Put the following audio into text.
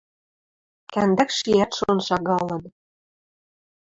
Кӓндӓкш иӓт шон шагалын.